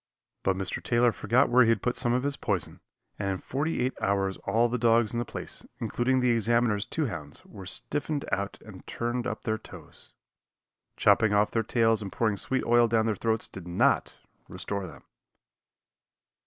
But Mr. Taylor forgot where he had put some of his poison, and in forty eight hours all the dogs in the place, including the Examiner's two hounds, were stiffened out and turned up their toes. Chopping off their tails and pouring sweet oil down their throats did not restore them.